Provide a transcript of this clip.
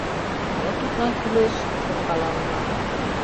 Мо тудлан кӱлеш?» — шонкала уна.